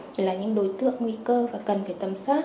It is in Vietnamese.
chỉ là những đối tượng nguy cơ và cần phải tầm soát